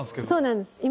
そうなんです。